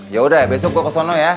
yaudah besok gue kesana ya